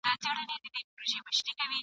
نیلی مړ سو دښمن مات سو تښتېدلی ..